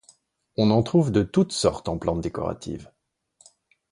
On en trouve de toute sorte, en plantes décoratives.